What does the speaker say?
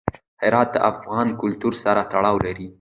هرات د افغان کلتور سره تړاو لري.